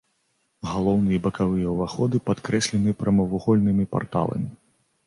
Галоўны і бакавыя ўваходы падкрэслены прамавугольнымі парталамі.